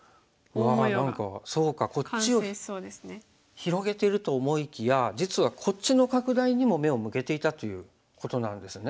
広げていると思いきや実はこっちの拡大にも目を向けていたということなんですね。